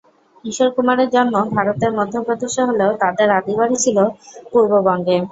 কিশোর কুমারের জন্ম ভারতের মধ্যপ্রদেশে হলেও তাদের আদি বাড়ি ছিল পূর্ববঙ্গে।